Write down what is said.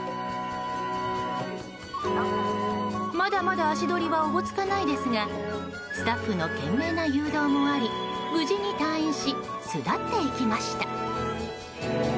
まだまだ足取りはおぼつかないですがスタッフの懸命な誘導もあり無事に退院し巣立っていきました。